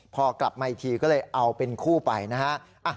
พอกลับมาอีกทีก็เลยเอาเป็นคู่ไปนะฮะ